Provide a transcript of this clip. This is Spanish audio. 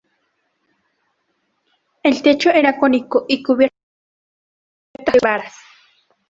El techo era cónico y cubierto de pajas aseguradas sobre varas.